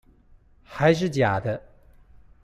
還是假的